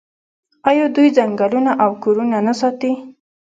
آیا دوی ځنګلونه او کورونه نه ساتي؟